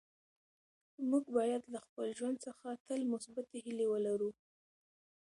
موږ باید له خپل ژوند څخه تل مثبتې هیلې ولرو.